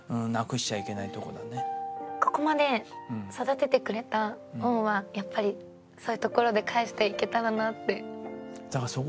ここまで育ててくれた恩はやっぱりそういうところで返していけたらなって。